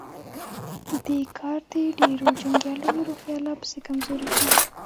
دې کار د ډېرو جنګياليو روحيه لا پسې کمزورې کړه.